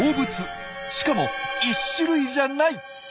しかも１種類じゃない！